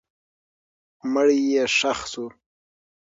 مړی یې ښخ سو.